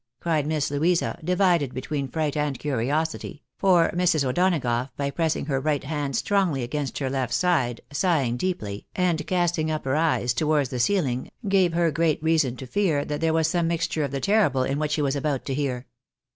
" cried Miss Louisa, divided between fright and curiosity, for Mrs. O'Donagough, by pressing her right hand strongly against her left side, sighing deeply, and cast ing up her eyes towards the ceiling, gave her great reason to fear that there was some mixture of the terrible in what she was about to hear.